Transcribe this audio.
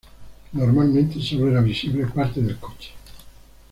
Normalmente solo era visible parte del coche.